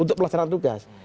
untuk pelaksanaan tugas